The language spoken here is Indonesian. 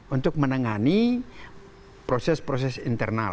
untuk menangani proses proses internal